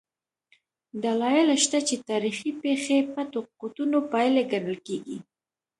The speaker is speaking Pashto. دلایل شته چې تاریخي پېښې پټو قوتونو پایلې ګڼل کېږي.